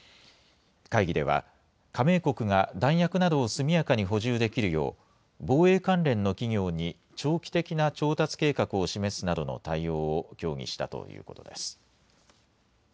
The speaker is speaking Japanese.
会議では加盟国が弾薬などを速やかに補充できるよう防衛関連の企業に長期的な調達計画を示すなどの対応を協議したということです。